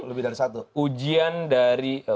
lebih dari satu